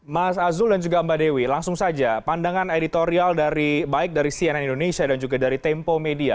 mas azul dan juga mbak dewi langsung saja pandangan editorial dari baik dari cnn indonesia dan juga dari tempo media